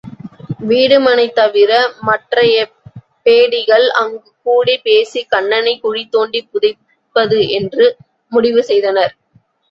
வீடுமனைத் தவிர மற்றைய பேடிகள் அங்குக்கூடிப் பேசிக் கண்ணனைக் குழி தோண்டிப் புதைப்பது என்று முடிவு செய்தனர்.